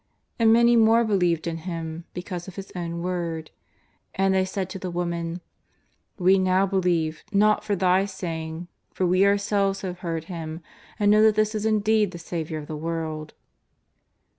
And many more believed in Him, be cause of His own word. And they said to the woman :'^ We now believe, not for thy saying, for we our selves have heard Him and know that this is indeed the Saviour of the world.''